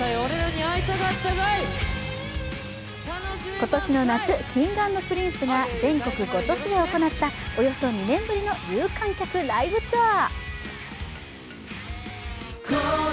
今年の夏、Ｋｉｎｇ＆Ｐｒｉｎｃｅが全国５都市で行った、およそ２年ぶりの有観客ライブツアー。